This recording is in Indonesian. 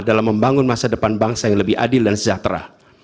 dalam membangun masa depan bangsa yang lebih adil dan sejahtera